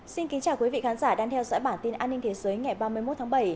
xin kính chào quý vị khán giả đang theo dõi bản tin an ninh thế giới ngày ba mươi một tháng bảy